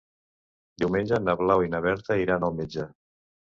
Diumenge na Blau i na Berta iran al metge.